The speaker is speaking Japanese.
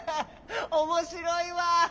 おもしろいわ。